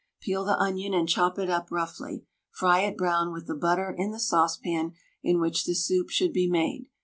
Peel the onion and chop it up roughly. Fry it brown with the butter in the saucepan in which the soup should be made.